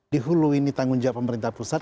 di hulu ini tanggung jawab pemerintah pusat